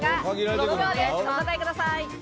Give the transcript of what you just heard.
５秒でお答えください。